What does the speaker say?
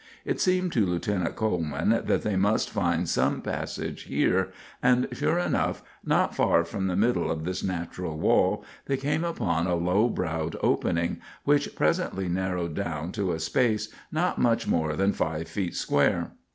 It seemed to Lieutenant Coleman that they must find some passage here, and, sure enough, not far from the middle of this natural wall they came upon a low browed opening, which presently narrowed down to a space not much more than five feet square.